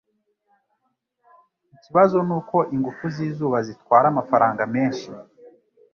Ikibazo nuko ingufu zizuba zitwara amafaranga menshi.